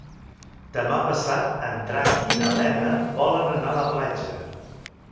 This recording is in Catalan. Demà passat en Drac i na Lena volen anar a la platja.